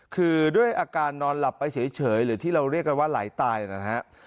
คือด้วยอาการนอนหลับไปเฉยหรือที่เราเรียกกันว่าไหลตายนะฮะ